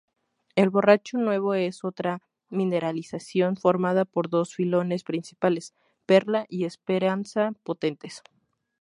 El Borracho Nuevo es otra mineralización formada por dos filones principales: Perla y Esperanza–Potentes.